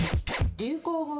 流行語は？